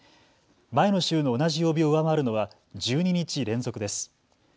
前の週の同じ曜日を上回るのは１２日連続です。